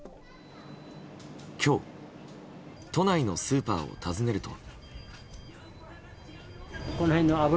今日都内のスーパーを訪ねると。